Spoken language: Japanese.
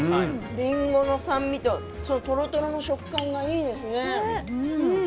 りんごの酸味ととろとろの食感がいいですね。